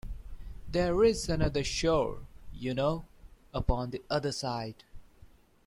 There is another shore, you know, upon the other side.